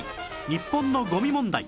日本のゴミ問題